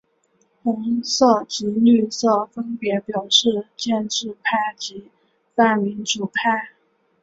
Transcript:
红色及绿色分别表示建制派及泛民主派。